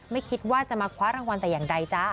ไม่คิดว่าจะมาคว้ารางวัลแต่อย่างใดจ๊ะ